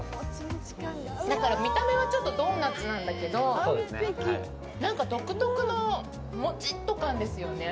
だから、見た目はちょっとドーナツなんだけど、何か独特のもちっと感ですよね。